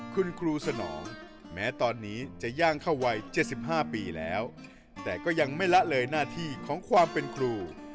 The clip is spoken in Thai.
คุณครูสนองแม้ตอนนี้จะย่างเข้าวัย๗๕ปีแล้วแต่ก็ยังไม่ละเลยหน้าที่ของความเป็นครู